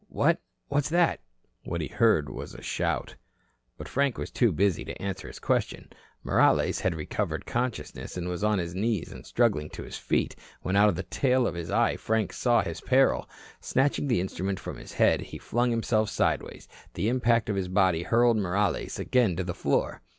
What? What's that?" What he heard was a shout. But Frank was too busy to answer his question. Morales had recovered consciousness and was on his knees and struggling to his feet, when out of the tail of his eye Frank saw his peril. Snatching the instrument from his head, he flung himself sideways. The impact of his body hurled Morales again to the floor.